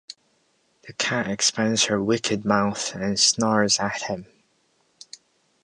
The cat expands her wicked mouth and snarls at him.